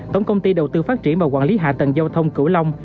tổng công ty đầu tư phát triển và quản lý hạ tầng giao thông cửu long